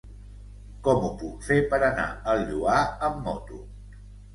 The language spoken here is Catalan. Com ho puc fer per anar al Lloar amb moto?